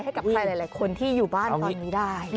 ให้กับใครหลายคนที่อยู่บ้านตอนนี้ได้